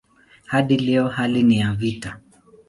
Hadi leo hali ni ya vita.